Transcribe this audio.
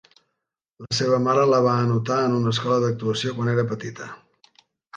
La seva mare la va anotar en una escola d'actuació quan era petita.